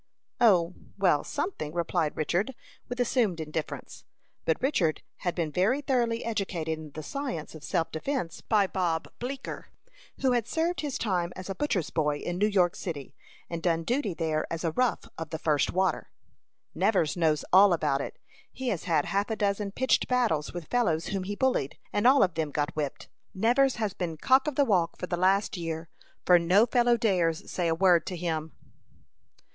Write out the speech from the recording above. "O, well, something," replied Richard, with assumed indifference. But Richard had been very thoroughly educated in the science of self defence by Bob Bleeker, who had served his time as a butcher's boy in New York city, and done duty there as a rough of the first water. "Nevers knows all about it. He has had half a dozen pitched battles with fellows whom he bullied, and all of them got whipped. Nevers has been 'cock of the walk' for the last year, for no fellow dares say a word to him."